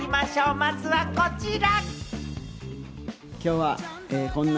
まずはこちら！